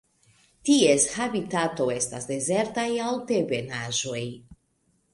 Ties habitato estas dezertaj altebenaĵoj.